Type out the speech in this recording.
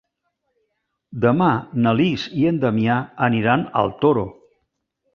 Demà na Lis i en Damià aniran al Toro.